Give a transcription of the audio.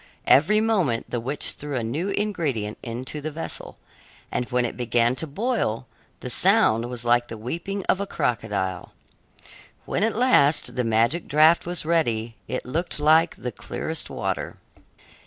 Every moment the witch threw a new ingredient into the vessel, and when it began to boil, the sound was like the weeping of a crocodile. When at last the magic draft was ready, it looked like the clearest water.